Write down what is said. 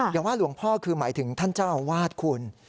อย่าว่าหลวงพ่อคือหมายถึงท่านเจ้าอาวาสคุณ